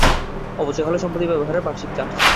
অবচয় হল সম্পত্তি ব্যবহারের বার্ষিক চার্জ।